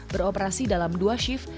beroperasi dalam dua shift